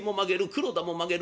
黒田も曲げる。